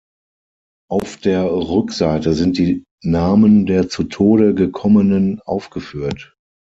Auf der Rückseite sind die Namen der zu Tode gekommenen aufgeführt.